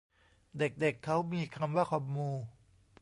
เด็กเด็กเค้ามีคำว่าคอมมู